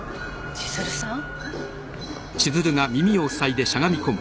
・千鶴さん？